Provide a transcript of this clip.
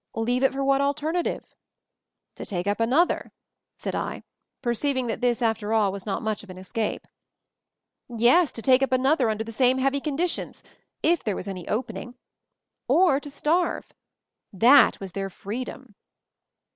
Leave it for what alternative?" To take up another," said I, perceiving that this, after all, was not much of an es cape. "Yes, to take up another under the same heavy conditions, if there was any opening ; or to starve — that was their freedom."